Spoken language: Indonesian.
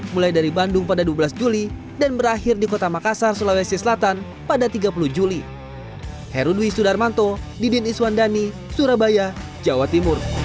mulai dari bandung pada dua belas juli dan berakhir di kota makassar sulawesi selatan pada tiga puluh juli